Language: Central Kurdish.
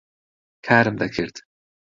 کارم دەکرد.